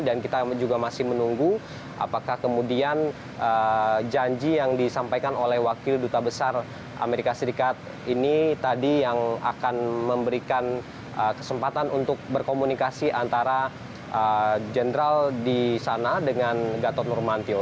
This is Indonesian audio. dan kita juga masih menunggu apakah kemudian janji yang disampaikan oleh wakil duta besar amerika serikat ini tadi yang akan memberikan kesempatan untuk berkomunikasi antara jenderal di sana dengan gatot nomantio